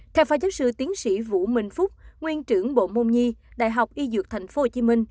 theo phó giáo sư tiến sĩ vũ minh phúc nguyên trưởng bộ môn nhi đại học y dược tp hcm